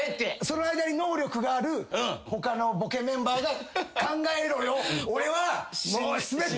その間に能力がある他のボケメンバーが考えろよ。